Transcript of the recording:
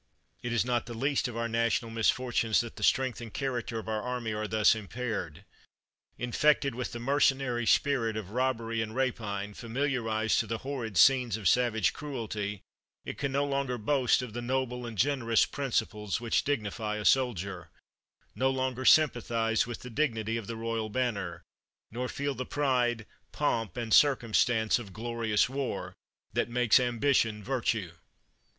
It is not the least of our national misfortunes that the strength and character of our army are thus impaired. Infected with the mercenary spirit of robbery and rapine; familiarized to the horrid scenes of savage cruelty, it can no longer boast of the noble and generous principles which dignify a soldier; no longer sympathize with the dignity of the royal banner, nor feel the pride, pomp, and circumstance of glorious war, '' that make ambition virtue